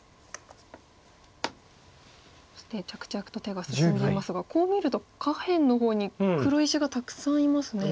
そして着々と手が進んでいますがこう見ると下辺の方に黒石がたくさんいますね。